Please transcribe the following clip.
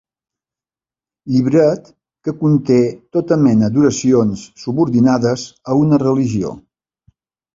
Llibret que conté tota mena d'oracions subordinades a una religió.